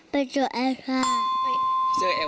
ไปดูเอลซ่า